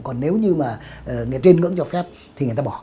còn nếu như mà trên ngưỡng cho phép thì người ta bỏ